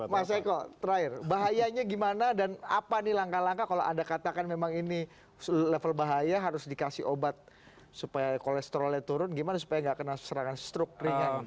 mas eko terakhir bahayanya gimana dan apa nih langkah langkah kalau anda katakan memang ini level bahaya harus dikasih obat supaya kolesterolnya turun gimana supaya nggak kena serangan stroke ringan